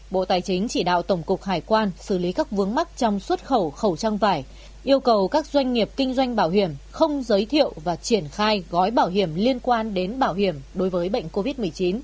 bộ tài chính chỉ đạo tổng cục hải quan xử lý các vướng mắc trong xuất khẩu khẩu trang vải yêu cầu các doanh nghiệp kinh doanh bảo hiểm không giới thiệu và triển khai gói bảo hiểm liên quan đến bảo hiểm đối với bệnh covid một mươi chín